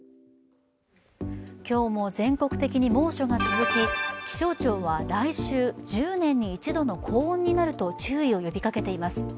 今日も全国的に猛暑が続き気象庁は来週、１０年に一度の高温になると注意を呼びかけています。